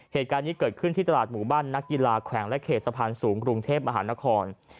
เหตุการณ์นี้เกิดขึ้นที่ตลาดหมู่บ้านนักกีฬาแขวงและเขตสะพานสูงกรุงเทพมหานคร